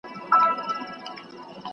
¬ انسان د بادو بنۍ ده.